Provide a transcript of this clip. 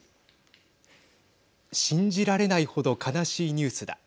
信じられないほど悲しいニュースだ。